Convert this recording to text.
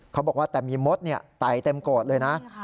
เขาบอกว่าแต่มีมดเนี่ยไต่เต็มโกดเลยนะ